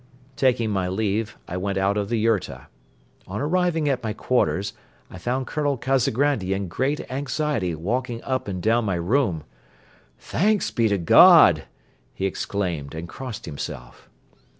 Taking my leave, I went out of the yurta. On arriving at my quarters, I found Colonel Kazagrandi in great anxiety walking up and down my room. "Thanks be to God!" he exclaimed and crossed himself.